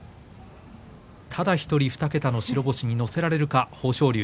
ただ１人、２桁の白星に乗せられるか豊昇龍。